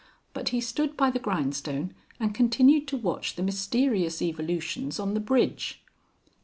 But he stood by the grindstone and continued to watch the mysterious evolutions on the bridge.